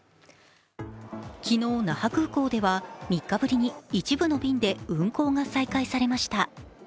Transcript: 昨日、那覇空港では３日ぶりに一部の便で運航が再開されました。